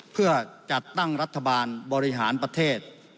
เพื่อจัดตั้งรัฐบาลบริหารประเทศ